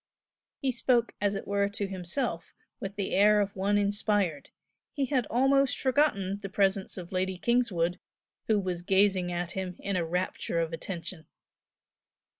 He spoke as it were to himself with the air of one inspired; he had almost forgotten the presence of Lady Kingswood, who was gazing at him in a rapture of attention.